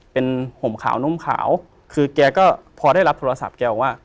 เป็นห่มขาวนุ่มขาวคือแกก็พอได้รับโทรศัพท์แกบอกว่า